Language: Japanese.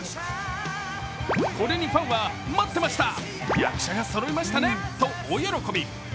これにファンは、待ってました、役者がそろいましたねと大喜び。